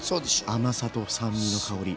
甘さと酸味の香り。